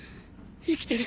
生きてる。